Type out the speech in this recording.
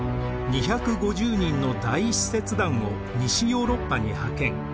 ２５０人の大使節団を西ヨーロッパに派遣。